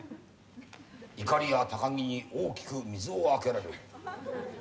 いかりや高木に大きく水をあけられる。